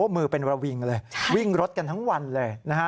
มือเป็นระวิงเลยวิ่งรถกันทั้งวันเลยนะฮะ